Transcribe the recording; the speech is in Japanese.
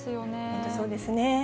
本当、そうですね。